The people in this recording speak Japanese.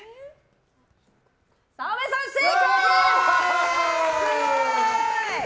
澤部さん、正解！